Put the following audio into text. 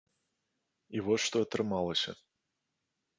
І вось што атрымалася.